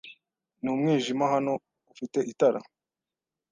Ni umwijima hano. Ufite itara?